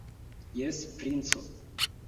Jes, princo!